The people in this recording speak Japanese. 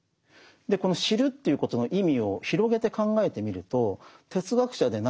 この知るっていうことの意味を広げて考えてみると哲学者でなくてもですね